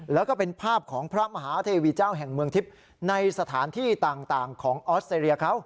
แล้วก็เป็นภาพของพระมหาเทวีเจ้าแห่งเมืองทิพย์ในสถานที่ต่างของออสเตรเลียเขา